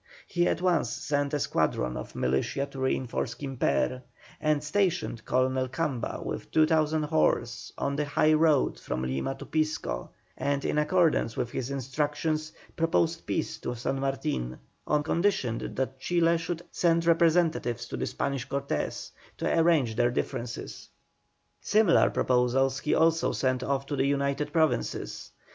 He at once sent a squadron of militia to reinforce Quimper, and stationed Colonel Camba with 2,000 horse on the high road from Lima to Pisco, and, in accordance with his instructions, proposed peace to San Martin, on condition that Chile should send representatives to the Spanish Cortes to arrange their differences. Similar proposals he also sent off to the United Provinces.